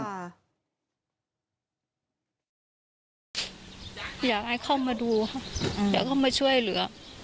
อยากให้เข้ามาดูอยากเข้ามาช่วยเหลือ